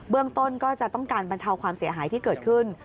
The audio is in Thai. ต้นก็จะต้องการบรรเทาความเสียหายที่เกิดขึ้น